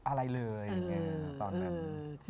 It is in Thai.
อะไรเลยตอนนั้น